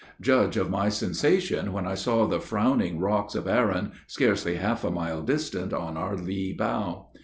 Judge of my sensation when I saw the frowning rocks of Arran, scarcely half a mile distant on our lee bow.